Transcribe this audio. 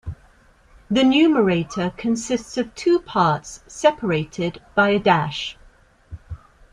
The numerator consists of two parts separated by a dash.